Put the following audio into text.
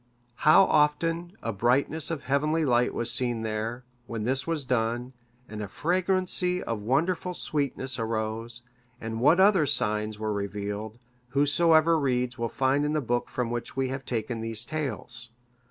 How often a brightness of heavenly light was seen there, when this was done, and a fragrancy of wonderful sweetness arose, and what other signs were revealed, whosoever reads will find in the book from which we have taken these tales.